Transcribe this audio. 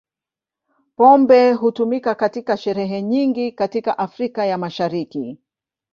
Pombe hutumika katika sherehe nyingi katika Afrika ya Mashariki.